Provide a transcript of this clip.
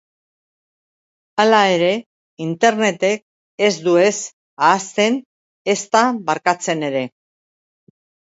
Hala ere, internetek ez du ez ahazten, ezta barkatzen ere.